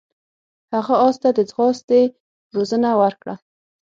هغه اس ته د ځغاستې روزنه ورکړه.